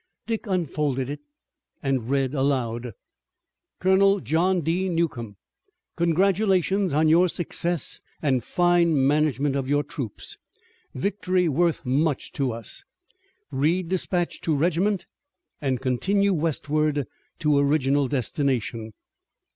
Dick unfolded it and read aloud: "Colonel John D. Newcomb: "Congratulations on your success and fine management of your troops. Victory worth much to us. Read dispatch to regiment and continue westward to original destination.